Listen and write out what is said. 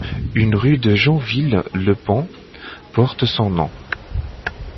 Une rue de Joinville-le-Pont porte son nom.